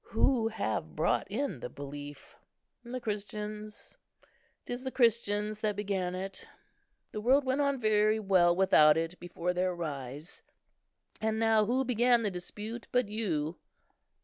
Who have brought in the belief? The Christians. 'Tis the Christians that began it. The world went on very well without it before their rise. And now, who began the dispute but you?"